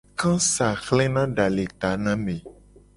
Kasa hlena da le ta na ame.